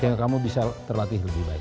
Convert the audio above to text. sehingga kamu bisa terlatih lebih baik